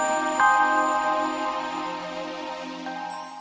sebaiknyaart hatu ku yang took me to sex party